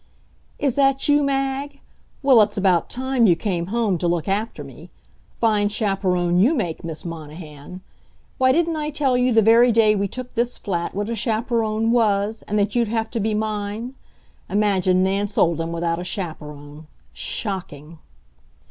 Is that you, Mag? Well, it's about time you came home to look after me. Fine chaperon you make, Miss Monahan! Why, didn't I tell you the very day we took this flat what a chaperon was, and that you'd have to be mine? Imagine Nancy Olden without a chaperon Shocking!